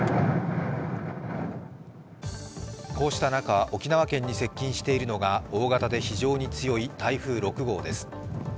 こうした中、沖縄県に接近しているのが大型で非常に強い台風６号です。